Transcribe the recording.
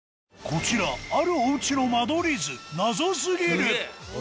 こちらあるおうちの間取り図謎すぎる！